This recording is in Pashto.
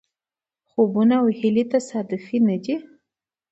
خوبونه او هیلې تصادفي نه دي.